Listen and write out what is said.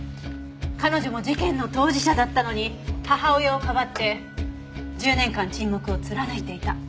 彼女も事件の当事者だったのに母親をかばって１０年間沈黙を貫いていた。